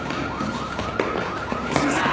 ・すいません。